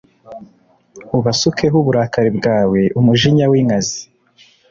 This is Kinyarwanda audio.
Ubasukeho uburakari bwawe Umujinya w inkazi